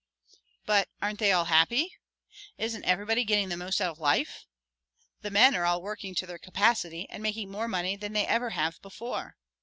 "But aren't they all happy? Isn't everybody getting the most out of life? The men are all working to their capacity and making more money than they ever have before.